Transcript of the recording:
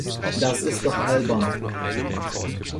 Das ist doch albern!